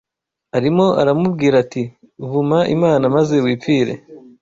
Arimo aramubwira ati vuma Imana maze wipfire